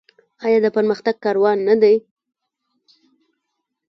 آیا د پرمختګ کاروان نه دی؟